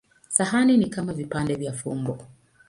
Sahani ni kama vipande vya fumbo.